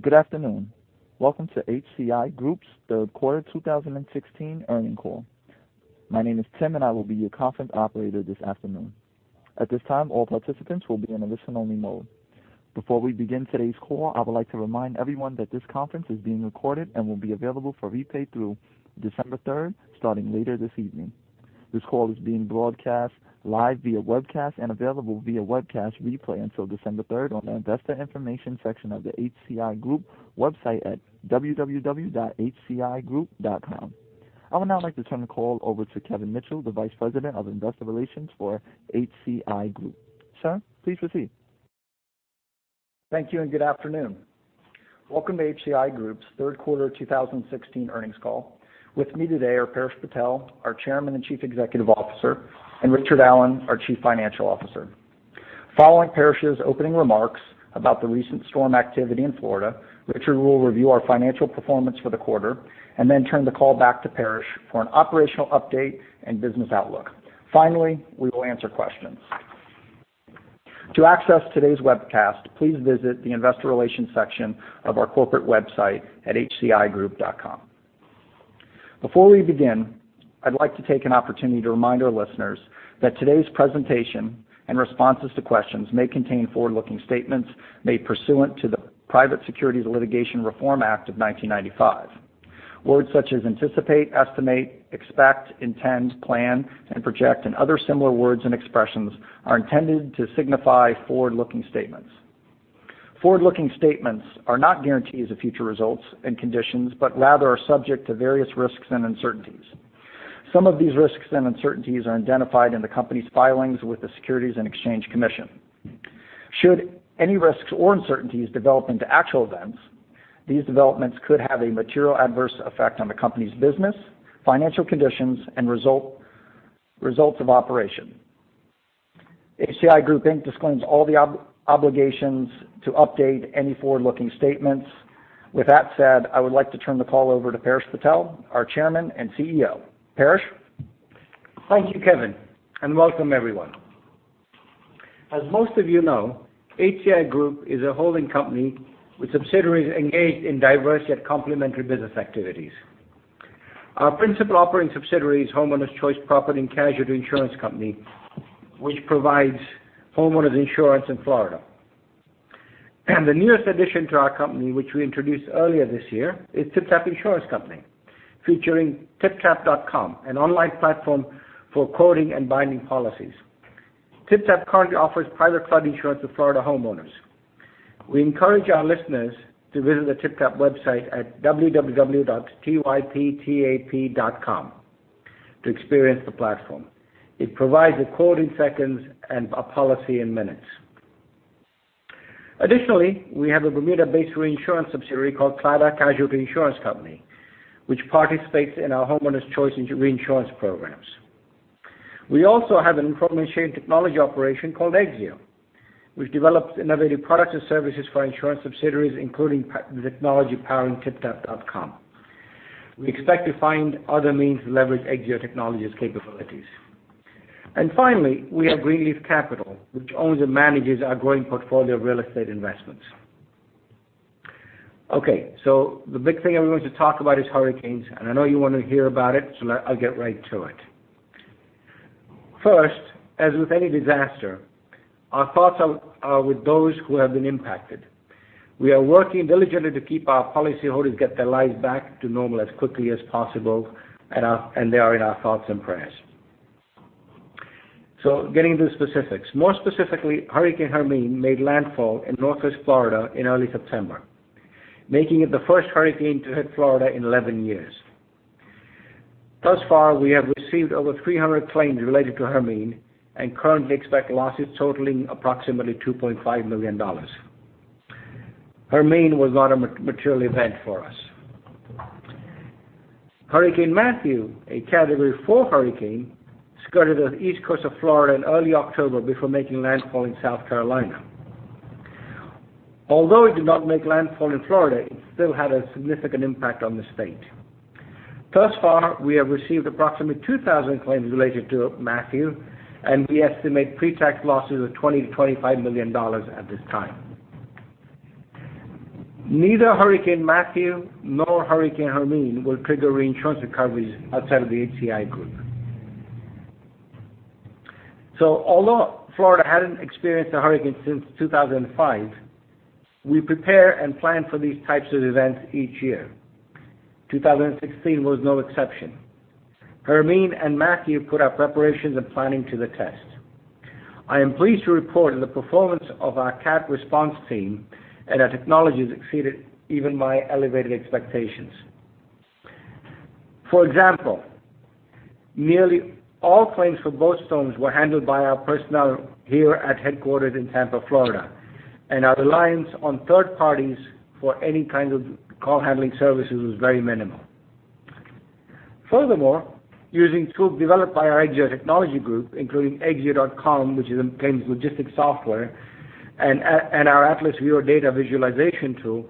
Good afternoon. Welcome to HCI Group's third quarter 2016 earnings call. My name is Tim, and I will be your conference operator this afternoon. At this time, all participants will be in a listen-only mode. Before we begin today's call, I would like to remind everyone that this conference is being recorded and will be available for replay through December 3rd, starting later this evening. This call is being broadcast live via webcast and available via webcast replay until December 3rd on the Investor Information section of the HCI Group website at www.hcigroup.com. I would now like to turn the call over to Kevin Mitchell, the Vice President of Investor Relations for HCI Group. Sir, please proceed. Thank you. Good afternoon. Welcome to HCI Group's third quarter 2016 earnings call. With me today are Paresh Patel, our Chairman and Chief Executive Officer, and Richard Allen, our Chief Financial Officer. Following Paresh's opening remarks about the recent storm activity in Florida, Richard will review our financial performance for the quarter and then turn the call back to Paresh for an operational update and business outlook. Finally, we will answer questions. To access today's webcast, please visit the Investor Relations section of our corporate website at hcigroup.com. Before we begin, I'd like to take an opportunity to remind our listeners that today's presentation and responses to questions may contain forward-looking statements made pursuant to the Private Securities Litigation Reform Act of 1995. Words such as anticipate, estimate, expect, intend, plan, and project, and other similar words and expressions are intended to signify forward-looking statements. Forward-looking statements are not guarantees of future results and conditions but rather are subject to various risks and uncertainties. Some of these risks and uncertainties are identified in the company's filings with the Securities and Exchange Commission. Should any risks or uncertainties develop into actual events, these developments could have a material adverse effect on the company's business, financial conditions, and results of operation. HCI Group, Inc. disclaims all the obligations to update any forward-looking statements. With that said, I would like to turn the call over to Paresh Patel, our Chairman and CEO. Paresh? Thank you, Kevin. Welcome everyone. As most of you know, HCI Group is a holding company with subsidiaries engaged in diverse yet complementary business activities. Our principal operating subsidiary is Homeowners Choice Property & Casualty Insurance Company, which provides homeowners insurance in Florida. The newest addition to our company, which we introduced earlier this year, is TypTap Insurance Company, featuring typtap.com, an online platform for quoting and binding policies. TypTap currently offers private flood insurance to Florida homeowners. We encourage our listeners to visit the TypTap website at www.typtap.com to experience the platform. It provides a quote in seconds and a policy in minutes. Additionally, we have a Bermuda-based reinsurance subsidiary called Claddaugh Casualty Insurance Company, which participates in our Homeowners Choice reinsurance programs. We also have an information technology operation called Exzeo. We've developed innovative products and services for insurance subsidiaries, including the technology powering typtap.com. We expect to find other means to leverage Exzeo Technology's capabilities. Finally, we have Greenleaf Capital, which owns and manages our growing portfolio of real estate investments. Okay, the big thing everyone should talk about is hurricanes, and I know you want to hear about it, I'll get right to it. First, as with any disaster, our thoughts are with those who have been impacted. We are working diligently to help our policyholders get their lives back to normal as quickly as possible, and they are in our thoughts and prayers. Getting to the specifics. More specifically, Hurricane Hermine made landfall in Northwest Florida in early September, making it the first hurricane to hit Florida in 11 years. Thus far, we have received over 300 claims related to Hermine and currently expect losses totaling approximately $2.5 million. Hermine was not a material event for us. Hurricane Matthew, a category 4 hurricane, skirted the east coast of Florida in early October before making landfall in South Carolina. Although it did not make landfall in Florida, it still had a significant impact on the state. Thus far, we have received approximately 2,000 claims related to Matthew, and we estimate pretax losses of $20 million-$25 million at this time. Neither Hurricane Matthew nor Hurricane Hermine will trigger reinsurance recoveries outside of the HCI Group. Although Florida hadn't experienced a hurricane since 2005, we prepare and plan for these types of events each year. 2016 was no exception. Hermine and Matthew put our preparations and planning to the test. I am pleased to report the performance of our CAT response team and our technologies exceeded even my elevated expectations. For example, nearly all claims for both storms were handled by our personnel here at headquarters in Tampa, Florida, and our reliance on third parties for any kind of call handling services was very minimal. Furthermore, using tools developed by our Exzeo Technology Group, including exzeo.com, which is a claims logistics software, and our Atlas Viewer data visualization tool,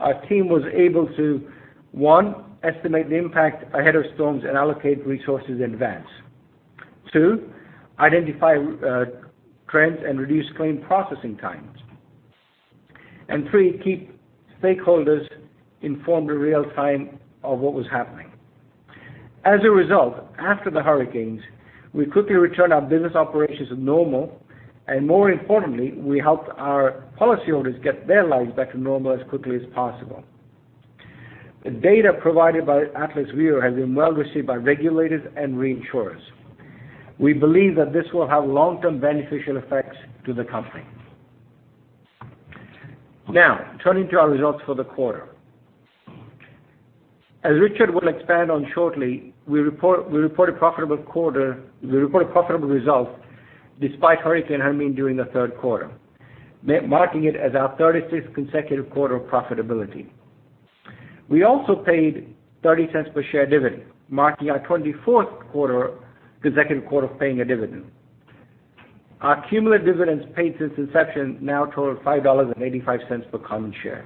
our team was able to, One, estimate the impact ahead of storms and allocate resources in advance. Two, identify trends and reduce claim processing times. Three, keep stakeholders informed in real time of what was happening. As a result, after the hurricanes, we quickly returned our business operations to normal, and more importantly, we helped our policyholders get their lives back to normal as quickly as possible. The data provided by Atlas Viewer has been well received by regulators and reinsurers. We believe that this will have long-term beneficial effects to the company. Turning to our results for the quarter. As Richard will expand on shortly, we report a profitable result despite Hurricane Hermine during the third quarter, marking it as our 35th consecutive quarter of profitability. We also paid $0.30 per share dividend, marking our 24th consecutive quarter of paying a dividend. Our cumulative dividends paid since inception now total $5.85 per common share.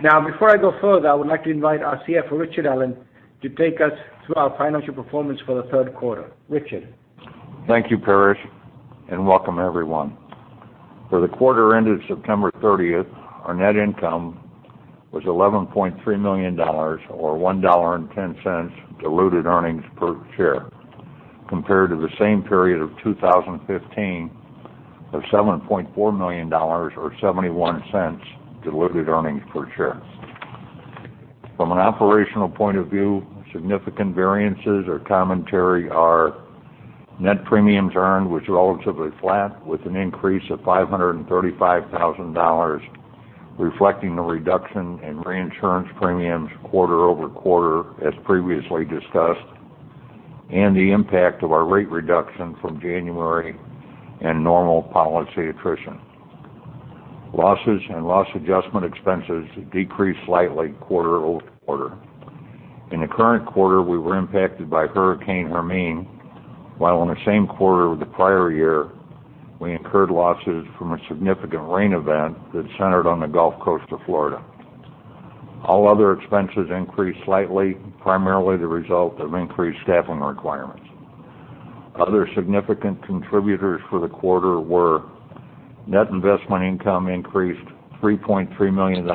Before I go further, I would like to invite our CFO, Richard Allen, to take us through our financial performance for the third quarter. Richard? Thank you, Paresh, and welcome everyone. For the quarter ended September 30th, our net income was $11.3 million, or $1.10 diluted earnings per share, compared to the same period of 2015 of $7.4 million, or $0.71 diluted earnings per share. From an operational point of view, significant variances or commentary are net premiums earned was relatively flat, with an increase of $535,000, reflecting the reduction in reinsurance premiums quarter-over-quarter, as previously discussed, and the impact of our rate reduction from January and normal policy attrition. Losses and loss adjustment expenses decreased slightly quarter-over-quarter. In the current quarter, we were impacted by Hurricane Hermine, while in the same quarter of the prior year, we incurred losses from a significant rain event that centered on the Gulf Coast of Florida. All other expenses increased slightly, primarily the result of increased staffing requirements. Other significant contributors for the quarter were net investment income increased $3.3 million,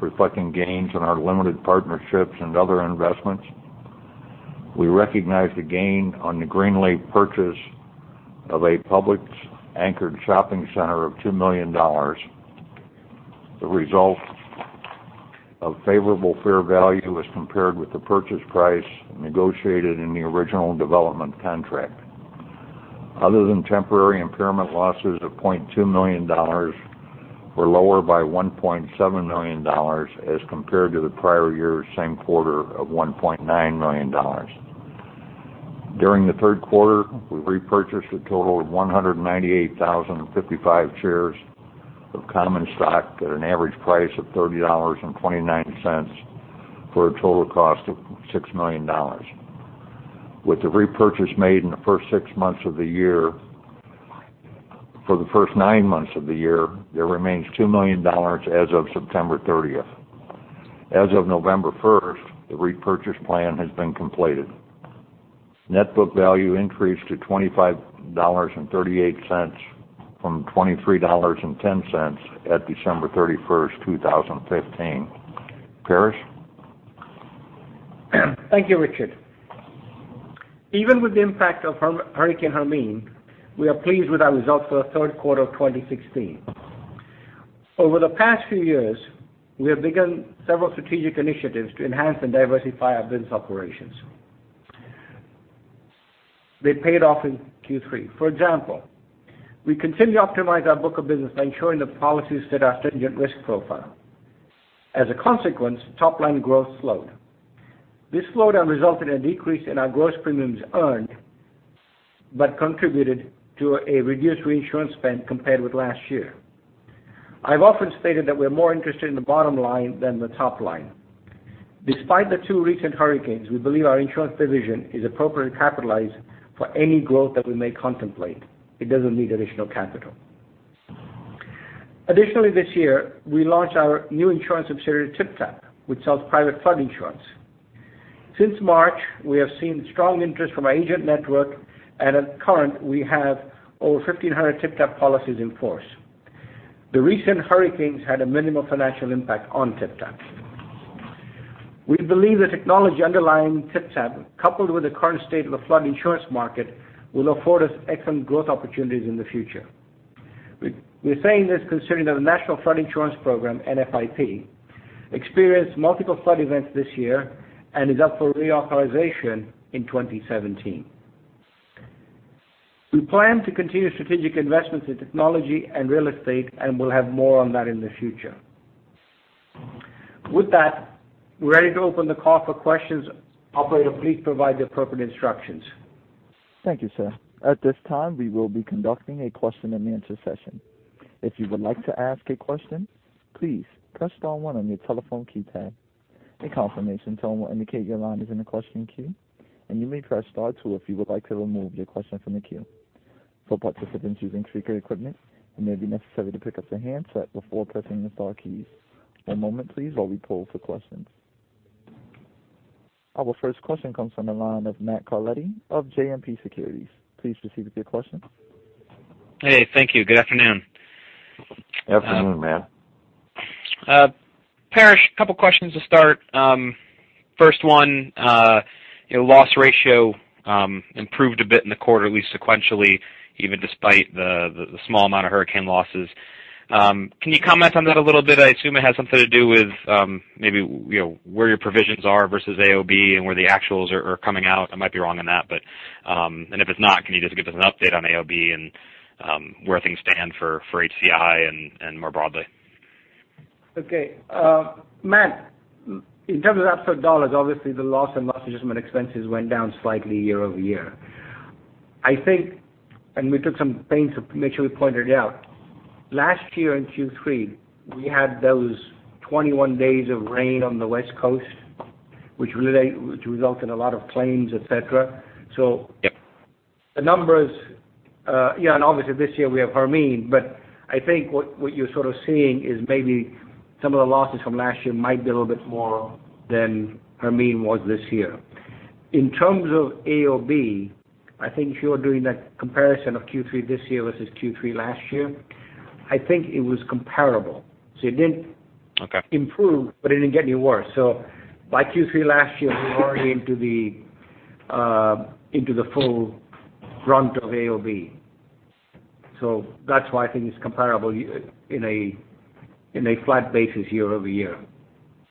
reflecting gains in our limited partnerships and other investments. We recognized a gain on the Greenleaf purchase of a Publix-anchored shopping center of $2 million. The result of favorable fair value as compared with the purchase price negotiated in the original development contract. Other-than-temporary impairment losses of $0.2 million were lower by $1.7 million as compared to the prior year's same quarter of $1.9 million. During the third quarter, we repurchased a total of 198,055 shares of common stock at an average price of $30.29 for a total cost of $6 million. With the repurchase made in the first six months of the year, for the first nine months of the year, there remains $2 million as of September 30th. As of November 1st, the repurchase plan has been completed. Net book value increased to $25.38 from $23.10 at December 31st, 2015. Paresh? Thank you, Richard. Even with the impact of Hurricane Hermine, we are pleased with our results for the third quarter of 2016. Over the past few years, we have begun several strategic initiatives to enhance and diversify our business operations. They paid off in Q3. For example, we continue to optimize our book of business by ensuring the policies fit our stringent risk profile. As a consequence, top-line growth slowed. This slowdown resulted in a decrease in our gross premiums earned but contributed to a reduced reinsurance spend compared with last year. I've often stated that we're more interested in the bottom line than the top line. Despite the two recent hurricanes, we believe our insurance division is appropriately capitalized for any growth that we may contemplate. It doesn't need additional capital. Additionally, this year, we launched our new insurance subsidiary, TypTap, which sells private flood insurance. Since March, we have seen strong interest from our agent network, at current, we have over 1,500 TypTap policies in force. The recent hurricanes had a minimal financial impact on TypTap. We believe the technology underlying TypTap, coupled with the current state of the flood insurance market, will afford us excellent growth opportunities in the future. We're saying this considering that the National Flood Insurance Program, NFIP, experienced multiple flood events this year and is up for reauthorization in 2017. We plan to continue strategic investments in technology and real estate, we'll have more on that in the future. With that, we're ready to open the call for questions. Operator, please provide the appropriate instructions. Thank you, sir. At this time, we will be conducting a question-and-answer session. If you would like to ask a question, please press star 1 on your telephone keypad. A confirmation tone will indicate your line is in the question queue, you may press star 2 if you would like to remove your question from the queue. For participants using speaker equipment, it may be necessary to pick up the handset before pressing the star keys. One moment please, while we pull for questions. Our first question comes from the line of Matthew Carletti of JMP Securities. Please proceed with your question. Hey, thank you. Good afternoon. Afternoon, Matt. Paresh, couple questions to start. First one, loss ratio improved a bit in the quarter, at least sequentially, even despite the small amount of hurricane losses. Can you comment on that a little bit? I assume it has something to do with maybe where your provisions are versus AOB and where the actuals are coming out. I might be wrong on that, but, and if it's not, can you just give us an update on AOB and where things stand for HCI and more broadly? Okay. Matt, in terms of absolute dollars, obviously the loss and loss adjustment expenses went down slightly year-over-year. I think, and we took some pains to make sure we pointed out, last year in Q3, we had those 21 days of rain on the West Coast, which result in a lot of claims, et cetera. Yep. Obviously this year we have Hermine, but I think what you're sort of seeing is maybe some of the losses from last year might be a little bit more than Hermine was this year. In terms of AOB, I think if you're doing that comparison of Q3 this year versus Q3 last year, I think it was comparable. It didn't. Okay Improve, but it didn't get any worse. By Q3 last year, we were already into the full grunt of AOB. That's why I think it's comparable in a flat basis year-over-year.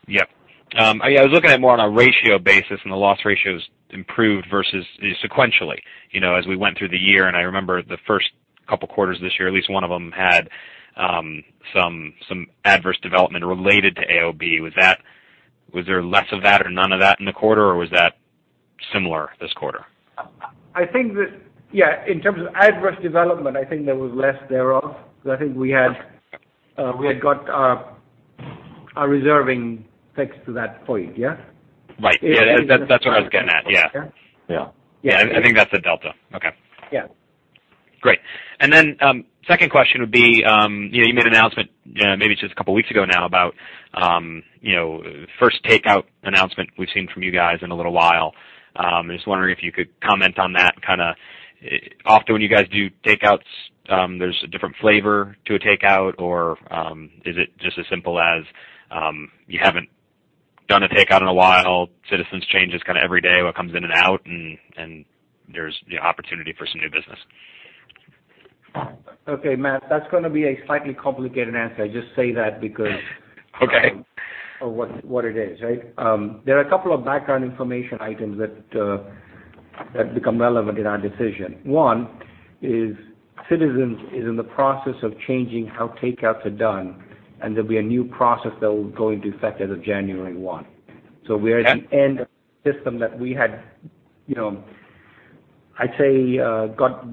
Yep. I was looking at it more on a ratio basis, the loss ratios improved versus sequentially as we went through the year, I remember the first couple quarters this year, at least one of them had some adverse development related to AOB. Was there less of that or none of that in the quarter, or was that similar this quarter? I think that, yeah, in terms of adverse development, I think there was less thereof, because I think we had got our reserving fixed to that point, yeah? Right. Yeah, that's what I was getting at. Yeah. Yeah. Yeah, I think that's a delta. Okay. Yeah. Great. Then, second question would be, you made an announcement maybe just a couple of weeks ago now about first takeout announcement we've seen from you guys in a little while. I'm just wondering if you could comment on that kind of, often when you guys do takeouts, there's a different flavor to a takeout, or is it just as simple as you haven't done a takeout in a while, Citizens changes kind of every day what comes in and out, and there's the opportunity for some new business. Okay, Matt, that's going to be a slightly complicated answer. I just say that because. Okay of what it is, right? There are a couple of background information items that become relevant in our decision. One, is Citizens is in the process of changing how takeouts are done, and there'll be a new process that will go into effect as of January 1. We are at the end of system that we had, I'd say, got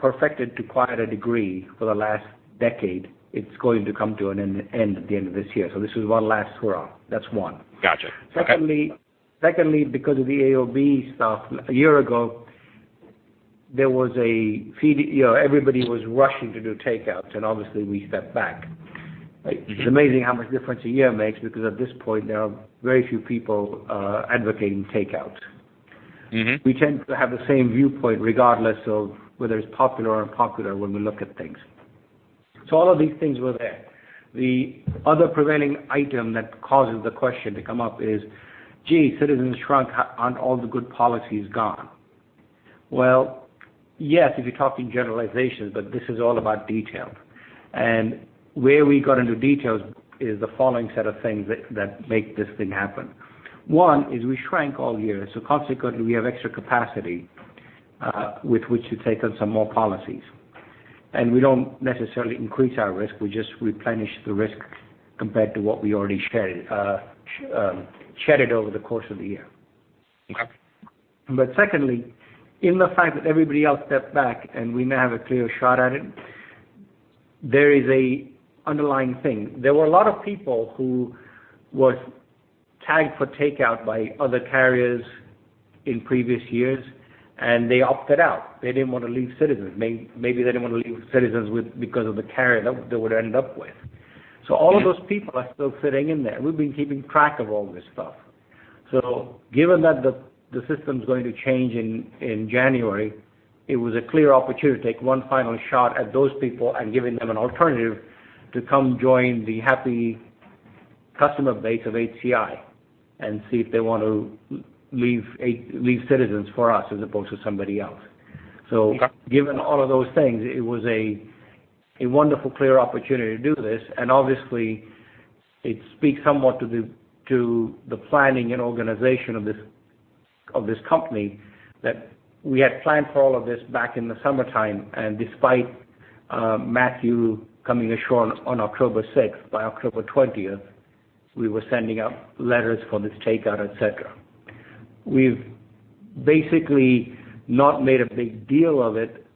perfected to quite a degree for the last decade. It's going to come to an end at the end of this year. This is one last hurrah. That's one. Got you. Okay. Secondly, because of the AOB stuff a year ago, everybody was rushing to do takeouts, and obviously we stepped back. It's amazing how much difference a year makes because at this point, there are very few people advocating takeouts. We tend to have the same viewpoint regardless of whether it's popular or unpopular when we look at things. All of these things were there. The other prevailing item that causes the question to come up is, gee, Citizens shrunk. Aren't all the good policies gone? Well, yes, if you're talking generalizations, but this is all about detail. Where we got into details is the following set of things that make this thing happen. One, is we shrank all year, so consequently, we have extra capacity with which to take on some more policies. We don't necessarily increase our risk, we just replenish the risk compared to what we already shedded over the course of the year. Okay. Secondly, in the fact that everybody else stepped back and we now have a clear shot at it, there is a underlying thing. There were a lot of people who was tagged for takeout by other carriers in previous years, and they opted out. They didn't want to leave Citizens. Maybe they didn't want to leave Citizens because of the carrier they would end up with. Yeah. All of those people are still sitting in there. We've been keeping track of all this stuff. Given that the system's going to change in January, it was a clear opportunity to take one final shot at those people and giving them an alternative to come join the happy customer base of HCI and see if they want to leave Citizens for us as opposed to somebody else. Okay. Given all of those things, it was a wonderful, clear opportunity to do this, obviously it speaks somewhat to the planning and organization of this company that we had planned for all of this back in the summertime. Despite Hurricane Matthew coming ashore on October 6th, by October 20th, we were sending out letters for this takeout, et cetera. We've basically not made a big deal of it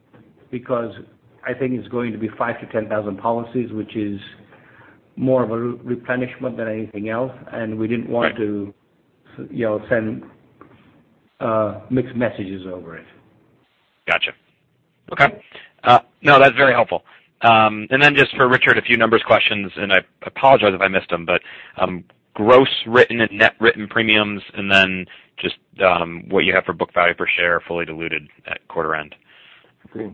because I think it's going to be five to 10,000 policies, which is more of a replenishment than anything else, we didn't want to send mixed messages over it. Got you. Okay. No, that's very helpful. Then just for Richard, a few numbers questions, I apologize if I missed them, gross written and net written premiums, then just what you have for book value per share fully diluted at quarter end. Okay.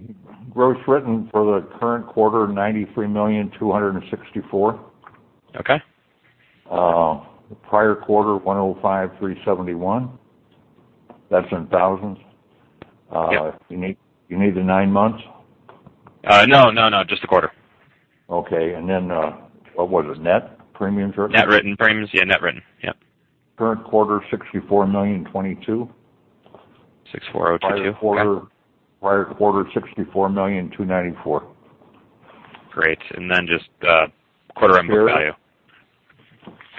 Gross written for the current quarter, $93,000,264. Okay. Prior quarter, $105,371. That's in thousands. Yeah. You need the nine months? No. Just the quarter. Okay. What was it? Net premiums written? Net written premiums. Yeah, net written. Yeah. Current quarter, $64,000,022. 6,402. Okay. Prior quarter, $64,000,294. Great. Just quarter end book value.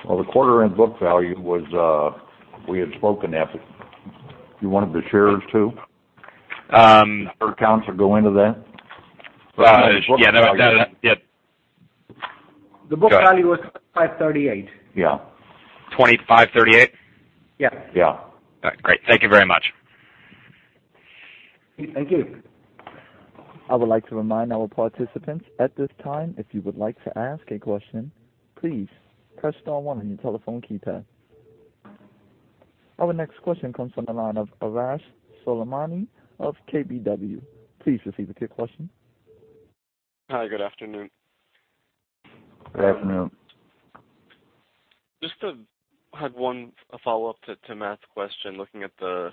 Well, the quarter end book value, we had spoken that. You wanted the shares too? Um- Number of accounts that go into that? Yeah. The book value was $2,538. Yeah. 2538? Yeah. Yeah. All right. Great. Thank you very much. Thank you. I would like to remind our participants, at this time, if you would like to ask a question, please press star one on your telephone keypad. Our next question comes from the line of Arash Soleimani of KBW. Please proceed with your question. Hi, good afternoon. Good afternoon. Just to have one follow-up to Matt's question, looking at the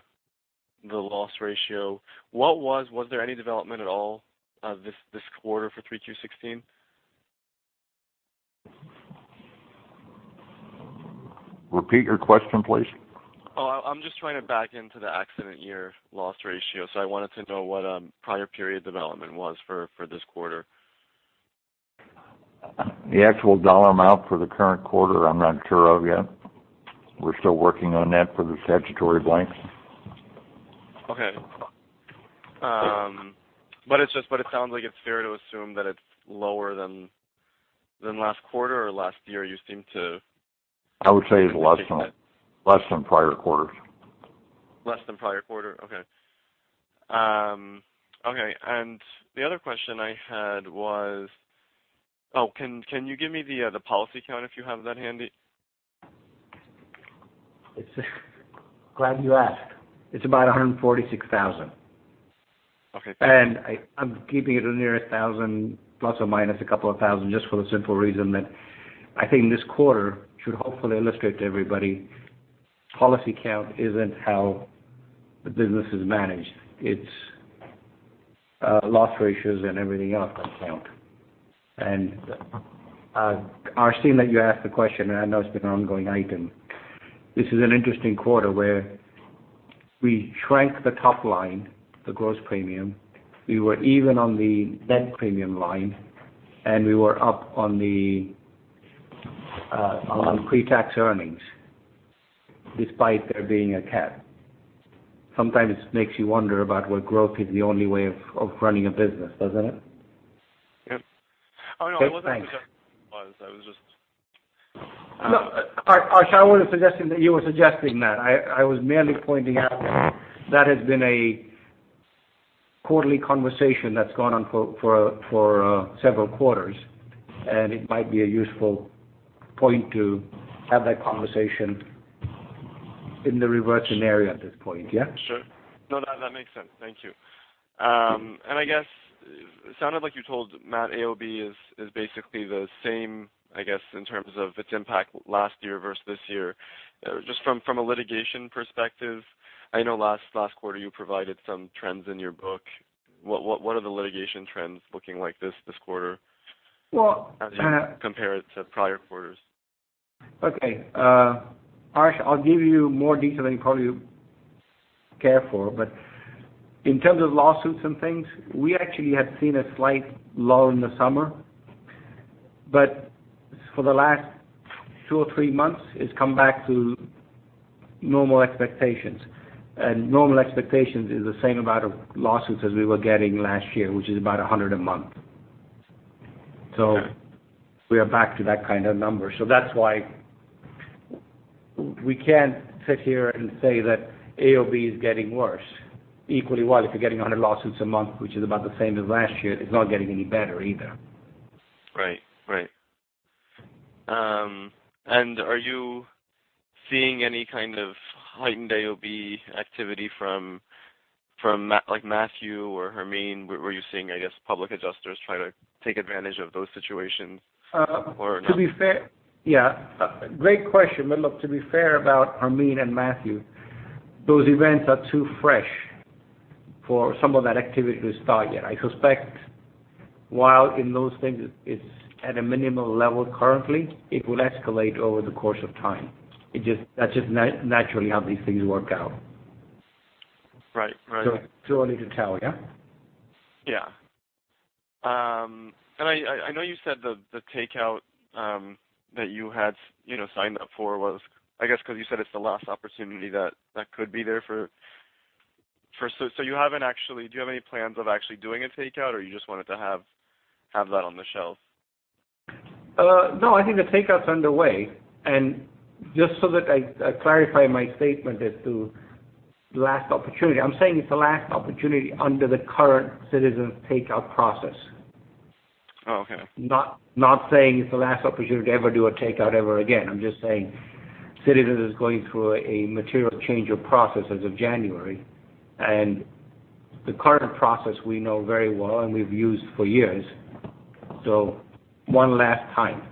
loss ratio. Was there any development at all this quarter for 3Q 2016? Repeat your question, please. I'm just trying to back into the accident year loss ratio. I wanted to know what prior period development was for this quarter. The actual dollar amount for the current quarter, I'm not sure of yet. We're still working on that for the statutory blanks. Okay. It sounds like it's fair to assume that it's lower than last quarter or last year. I would say less than prior quarters. Less than prior quarter? Okay. The other question I had was, can you give me the policy count if you have that handy? I'm glad you asked. It's about 146,000. Okay. I'm keeping it under 1,000, plus or minus 2,000, just for the simple reason that I think this quarter should hopefully illustrate to everybody, policy count isn't how the business is managed. Its loss ratios and everything else that count. Arash, seeing that you asked the question, and I know it's been an ongoing item. This is an interesting quarter where we shrank the top line, the gross premium. We were even on the net premium line, and we were up on pre-tax earnings, despite there being a CAT. Sometimes makes you wonder about where growth is the only way of running a business, doesn't it? Yep. Oh, no, I wasn't suggesting that. Okay, thanks. I was just. No, Arash, I wasn't suggesting that you were suggesting that. I was merely pointing out that has been a quarterly conversation that's gone on for several quarters, and it might be a useful point to have that conversation in the reversion area at this point, yeah? Sure. No, that makes sense. Thank you. I guess it sounded like you told Matt, AOB is basically the same, I guess, in terms of its impact last year versus this year. Just from a litigation perspective, I know last quarter you provided some trends in your book. What are the litigation trends looking like this quarter? Well- As you compare it to prior quarters. Okay. Arash, I'll give you more detail than probably you care for. In terms of lawsuits and things, we actually have seen a slight lull in the summer. For the last two or three months, it's come back to normal expectations. Normal expectations is the same amount of lawsuits as we were getting last year, which is about 100 a month. Okay. We are back to that kind of number. That's why we can't sit here and say that AOB is getting worse. Equally, well, if you're getting 100 lawsuits a month, which is about the same as last year, it's not getting any better either. Right. Are you seeing any kind of heightened AOB activity from Matthew or Hermine? Were you seeing, I guess, public adjusters try to take advantage of those situations, or no? Yeah. Great question. Look, to be fair about Hermine and Matthew, those events are too fresh for some of that activity to start yet. I suspect while in those things, it's at a minimal level currently, it will escalate over the course of time. That's just naturally how these things work out. Right. Only can tell, yeah? Yeah. I know you said the takeout that you had signed up for was, I guess, because you said it's the last opportunity that could be there for. Do you have any plans of actually doing a takeout, or you just wanted to have that on the shelf? No, I think the takeout's underway. Just so that I clarify my statement as to last opportunity, I'm saying it's the last opportunity under the current Citizens takeout process. Oh, okay. Not saying it's the last opportunity to ever do a takeout ever again. I'm just saying Citizens is going through a material change of process as of January, and the current process we know very well and we've used for years. One last time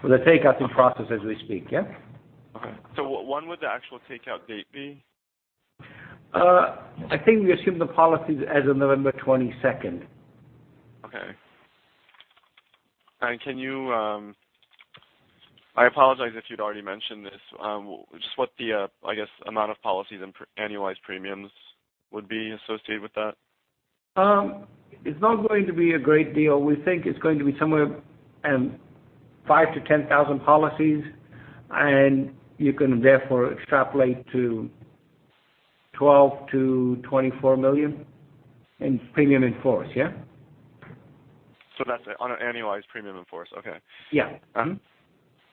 for the takeout in process as we speak, yeah. Okay. When would the actual takeout date be? I think we assume the policies as of November 22nd. Okay. I apologize if you'd already mentioned this. Just what the, I guess, amount of policies and annualized premiums would be associated with that? It's not going to be a great deal. We think it's going to be somewhere around five to 10,000 policies, and you can therefore extrapolate to $12 million-$24 million in premium in force, yeah? That's on an annualized premium in force, okay. Yeah.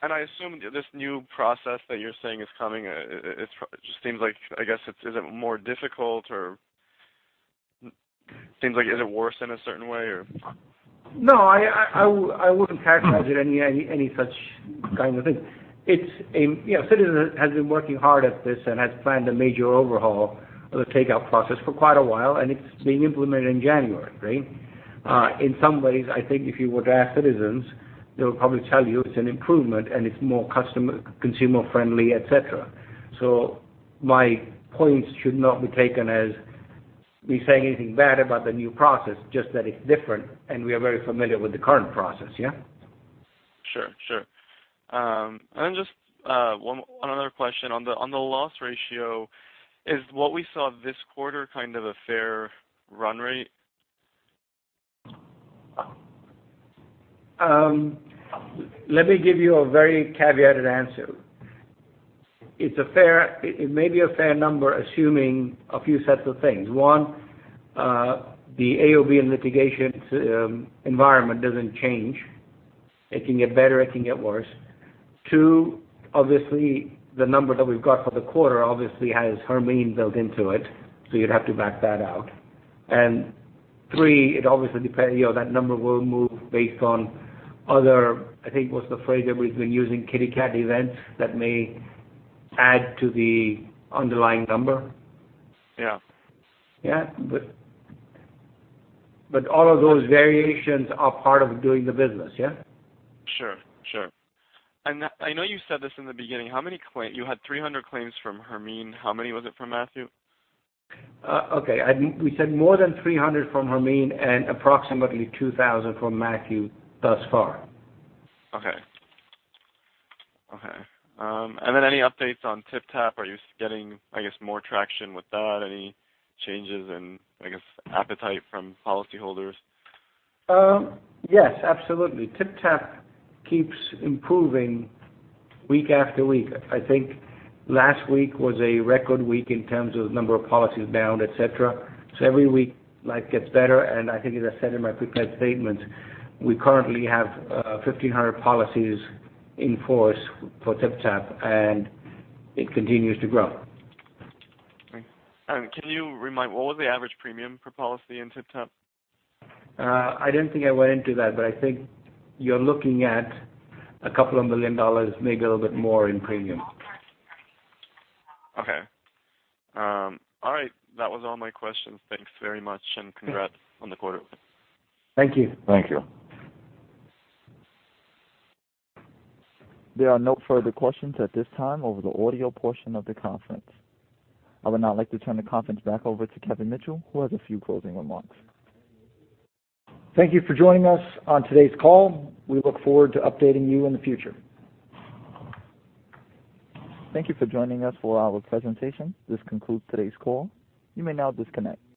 Mm-hmm. I assume this new process that you're saying is coming, I guess, is it more difficult or seems like is it worse in a certain way or? No, I wouldn't characterize it any such kind of thing. Citizens has been working hard at this and has planned a major overhaul of the takeout process for quite a while, and it's being implemented in January. In some ways, I think if you were to ask Citizens, they'll probably tell you it's an improvement and it's more consumer friendly, et cetera. My points should not be taken as me saying anything bad about the new process, just that it's different and we are very familiar with the current process, yeah? Sure. Then just one other question on the loss ratio, is what we saw this quarter kind of a fair run rate? Let me give you a very caveated answer. It may be a fair number, assuming a few sets of things. One, the AOB and litigation environment doesn't change. It can get better, it can get worse. Two, obviously, the number that we've got for the quarter obviously has Hermine built into it, so you'd have to back that out. Three, that number will move based on other, I think, what's the phrase that we've been using, kitty cat events that may add to the underlying number. Yeah. Yeah. All of those variations are part of doing the business, yeah? Sure. I know you said this in the beginning. You had 300 claims from Hermine. How many was it from Matthew? Okay. We said more than 300 from Hermine and approximately 2,000 from Matthew thus far. Okay. Any updates on TypTap? Are you getting, I guess, more traction with that? Any changes in, I guess, appetite from policyholders? Yes, absolutely. TypTap keeps improving week after week. I think last week was a record week in terms of number of policies bound, et cetera. Every week life gets better, and I think as I said in my prepared statement, we currently have 1,500 policies in force for TypTap, and it continues to grow. Okay. Can you remind, what was the average premium per policy in TypTap? I don't think I went into that, but I think you're looking at a couple of million dollars, maybe a little bit more in premium. Okay. All right. That was all my questions. Thanks very much, and congrats on the quarter. Thank you. Thank you. There are no further questions at this time over the audio portion of the conference. I would now like to turn the conference back over to Kevin Mitchell, who has a few closing remarks. Thank you for joining us on today's call. We look forward to updating you in the future. Thank you for joining us for our presentation. This concludes today's call. You may now disconnect.